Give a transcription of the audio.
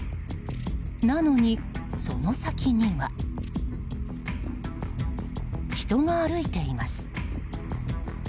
なのに、その先には人が歩いています。